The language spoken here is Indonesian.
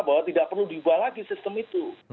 bahwa tidak perlu diubah lagi sistem itu